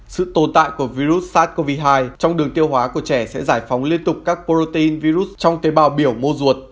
sự tồn tại của virus sars cov hai trong đường tiêu hóa của trẻ sẽ giải phóng liên tục các protein virus trong tế bào biểu mô ruột